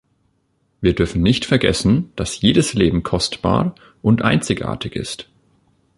Wir dürfen nicht vergessen, dass jedes Leben kostbar und einzigartig ist.